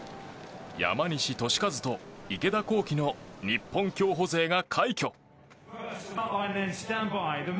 山西利和と池田向希の日本競歩勢が快挙。